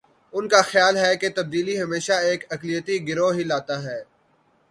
ان کا خیال ہے کہ تبدیلی ہمیشہ ایک اقلیتی گروہ ہی لاتا ہے۔